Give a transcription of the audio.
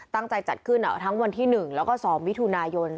ตั้งใจจะจัดขึ้นเอาทั้งวันที่๑แล้วก็สอบวิทูนายน